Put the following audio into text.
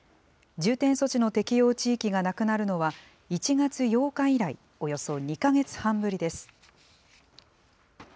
重点措置の適用地域がなくなるのは、１月８日以来、およそ２か月半ぶりです。